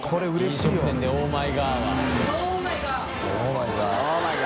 飲食店で「オーマイガー」は。オーマイガ」